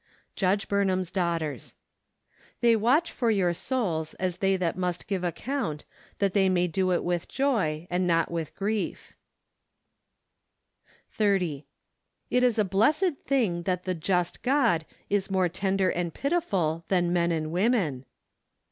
Judge Burnham's Daughters. " They watch for your souls , as they that must give account , that they may <lo it with joy, and not with grief" SEPTEMBER. 109 SO. It is a blessed thing that the just God is more tender and pitiful than men and women.